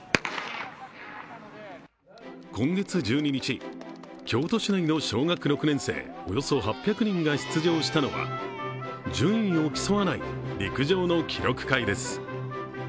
今月１２日、京都市内の小学６年生およそ８００人が出場したのは順位を競わない陸上の記録会です。